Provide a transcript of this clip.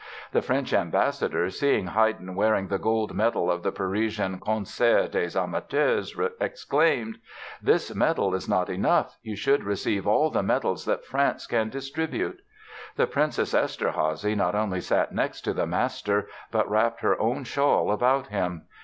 The French ambassador, seeing Haydn wearing the gold medal of the Parisian Concerts des Amateurs, exclaimed: "This medal is not enough; you should receive all the medals that France can distribute!" The Princess Eszterházy not only sat next to the master but wrapped her own shawl about him.